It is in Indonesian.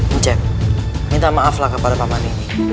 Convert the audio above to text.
encep minta maaflah kepada pak man ini